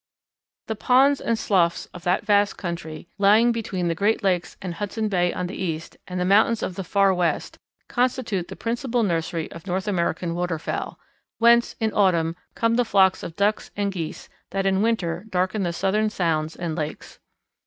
The ponds and sloughs of all that vast country lying between the Great Lakes and Hudson Bay on the east and the mountains of the Far West, constitute the principal nursery of North American waterfowl, whence, in autumn, come the flocks of Ducks and Geese that in winter darken the Southern sounds and lakes.